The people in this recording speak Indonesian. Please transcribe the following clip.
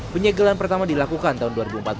penyegelan pertama dilakukan tahun dua ribu empat belas